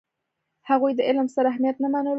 هغوی د علم ستر اهمیت نه منلو.